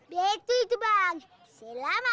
betul itu bang selama